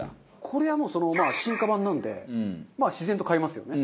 これはもうその進化版なんでまあ自然と買いますよね。